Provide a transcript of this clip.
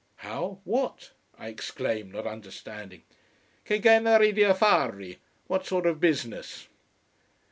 "How? What?" I exclaimed, not understanding. "Che genere di affari? What sort of business?"